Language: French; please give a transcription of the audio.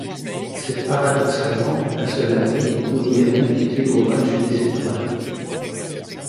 C'est paradoxalement la seule année où il est invité au match des étoiles.